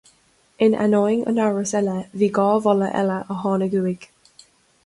In ainneoin an amhrais i leith, bhí dhá mholadh eile a tháinig uaidh.